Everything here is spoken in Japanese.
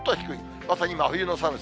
まさに真冬の寒さ。